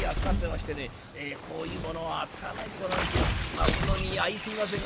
まことに相すいませんが」。